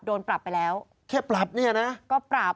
โดนปรับไปแล้วแค่ปรับเนี่ยนะก็ปรับ